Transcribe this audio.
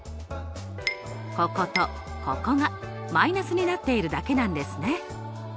こことここが−になっているだけなんですね。